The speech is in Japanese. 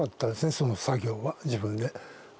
その作業は自分で。